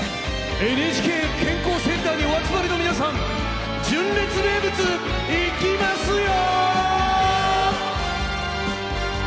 ＮＨＫ健康センターにお集まりの皆さん純烈名物、いきますよ！